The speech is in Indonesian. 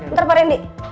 ntar pak rendy